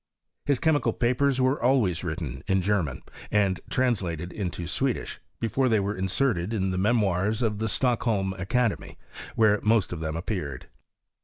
His chemical papers were always written in German, and translated into Swedish, before they w aerted in the Memoirs of the Stocklwlm / where most of them appeared.